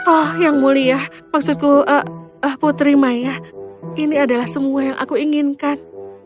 oh yang mulia maksudku putri maya ini adalah semua yang aku inginkan